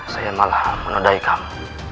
saya malah menodai kamu